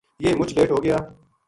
یہ مُچ لیٹ ہو گیا